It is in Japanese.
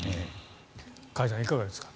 加谷さん、いかがですか。